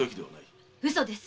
嘘です！